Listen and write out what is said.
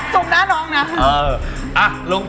ตรงหน้าน้องนะ